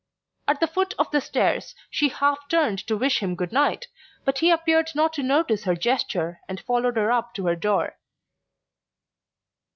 At the foot of the stairs she half turned to wish him good night, but he appeared not to notice her gesture and followed her up to her door.